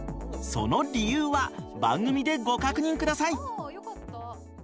その理由は番組でご確認ください。